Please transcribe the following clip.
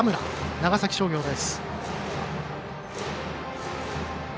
長崎商業です。